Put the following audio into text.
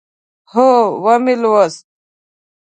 هو، ومی لوست